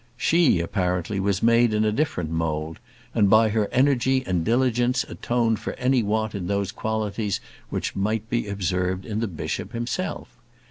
She, apparently, was made in a different mould, and by her energy and diligence atoned for any want in those qualities which might be observed in the bishop himself.